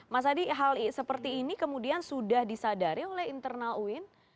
mas adi hal seperti ini kemudian sudah disadari oleh internal uin